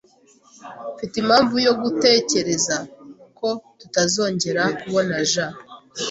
Mfite impamvu yo gutekereza ko tutazongera kubona Jean.